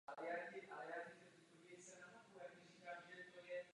Proto je nejvyšší čas, abychom tuto právní situaci vyjasnili.